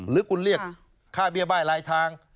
หรือคุณเรียกค่าเบี้ยบ้ายลายทาง